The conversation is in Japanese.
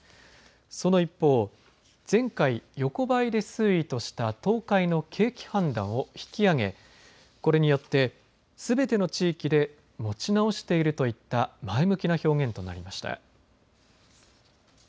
その一方、前回、横ばいで推移とした東海の景気判断を引き上げ、これによってすべての地域で持ち直しているといった前向きな表現となりました。